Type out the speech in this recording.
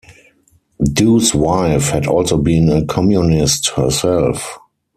Du's wife had also been a Communist herself.